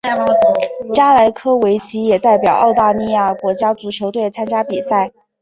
加莱科维奇也代表澳大利亚国家足球队参加比赛。